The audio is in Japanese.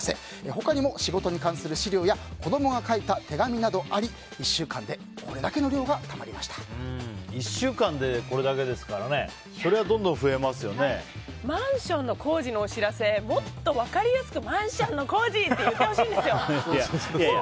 他にも仕事に関する資料や子供が書いた手紙などがあり１週間で１週間でこれだけだからマンションの工事のお知らせもっと分かりやすくマンションの工事！って言ってほしいんですよ。